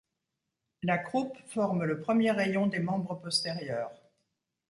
La croupe forme le premier rayon des membres postérieurs.